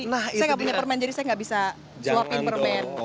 saya nggak punya permen jadi saya nggak bisa suapin permen